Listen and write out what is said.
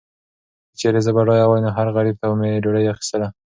که چیرې زه بډایه وای، نو هر غریب ته به مې ډوډۍ اخیستله.